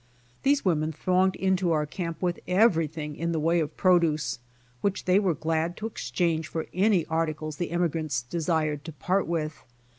These women thronged into our camp with everything in the way of produce, which they were glad to exchange for any articles the emigrants desired to part with.